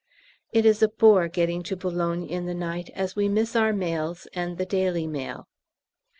It is a bore getting to B. in the night, as we miss our mails and the 'Daily Mail.'